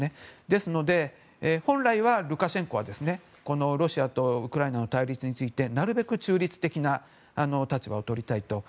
ですので、本来ルカシェンコはロシアとウクライナの対立についてなるべく中立的な立場をとりたいと。